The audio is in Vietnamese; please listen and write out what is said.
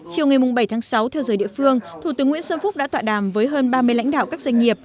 chiều ngày bảy tháng sáu theo giờ địa phương thủ tướng nguyễn xuân phúc đã tọa đàm với hơn ba mươi lãnh đạo các doanh nghiệp